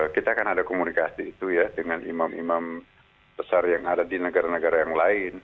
kita kan ada komunikasi itu ya dengan imam imam besar yang ada di negara negara yang lain